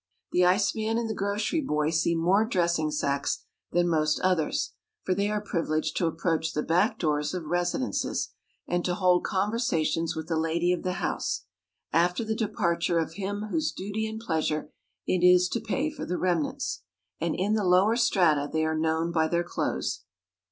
The iceman and the grocery boy see more dressing sacks than most others, for they are privileged to approach the back doors of residences, and to hold conversations with the lady of the house, after the departure of him whose duty and pleasure it is to pay for the remnants. And in the lower strata they are known by their clothes.